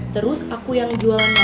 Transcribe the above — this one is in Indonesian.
terus aku yang jualan